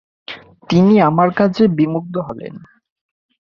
তিনি আমার কাজে বিমুগ্ধ হলেন।